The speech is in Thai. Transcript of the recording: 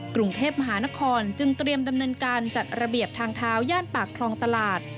กรุงเทพมหานครจึงเตรียมดำเนินการจัดระเบียบทางเท้าย่านปากคลองตลาด